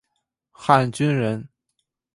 汉军人。